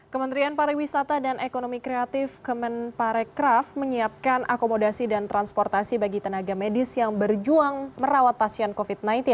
kementerian pariwisata dan ekonomi kreatif kemenparekraf menyiapkan akomodasi dan transportasi bagi tenaga medis yang berjuang merawat pasien covid sembilan belas